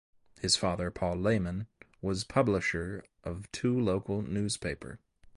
His father Paul Lehmann was publisher of two local newspaper.